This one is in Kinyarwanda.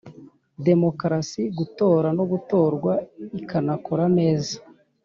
demokarasi gutora no gutorwa ikanakora neza